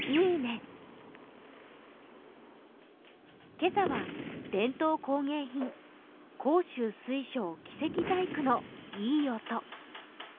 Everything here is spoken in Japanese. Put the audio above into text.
今朝は伝統工芸品甲州水晶貴石細工のいい音。